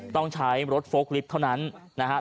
ต้องใช้รถโฟล์กลิฟท์เท่านั้นนะครับ